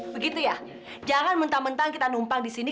begitu ya jangan mentang mentang kita numpang disini